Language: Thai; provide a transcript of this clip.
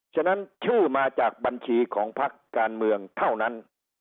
ฉะนั้นชื่อมาจากบัญชีของพักการเมืองเท่านั้น